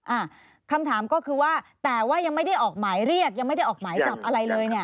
อ่าคำถามก็คือว่าแต่ว่ายังไม่ได้ออกหมายเรียกยังไม่ได้ออกหมายจับอะไรเลยเนี่ย